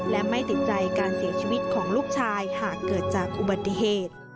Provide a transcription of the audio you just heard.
และไม่ติดใจการเสียชีวิตของลูกชายหากเกิดจากอุบัติเหตุ